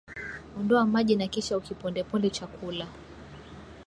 Ondoa maji na kisha ukipondeponde chakula